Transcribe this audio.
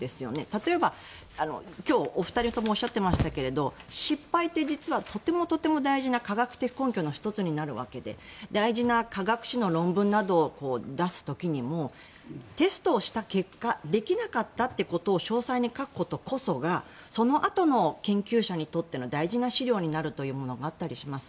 例えば、今日お二人ともおっしゃっていましたけれど失敗って実はとてもとても大事な科学的根拠の１つになるわけで大事な科学誌の論文などを出す時にもテストをした結果できなかったということを詳細に書くことこそがそのあとの研究者にとっての大事な資料になるというものがあったりします。